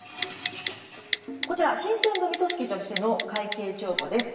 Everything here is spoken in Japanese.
こちら新選組組織としての会計帳簿です。